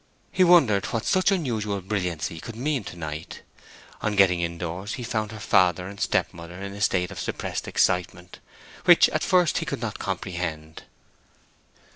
He wondered what such unusual brilliancy could mean to night. On getting in doors he found her father and step mother in a state of suppressed excitement, which at first he could not comprehend.